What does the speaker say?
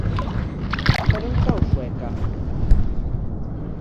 Per on cau Sueca?